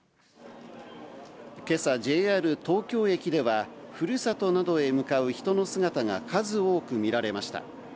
けさ、ＪＲ東京駅では、ふるさとなどへ向かう人の姿が数多く見られました。